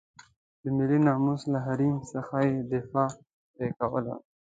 د ملي ناموس له حریم څخه یې دفاع پرې کوله.